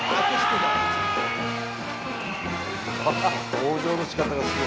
登場のしかたがすごい。